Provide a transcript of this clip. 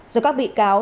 do các bị cáo